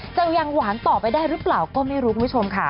จะยังหวานต่อไปได้หรือเปล่าก็ไม่รู้คุณผู้ชมค่ะ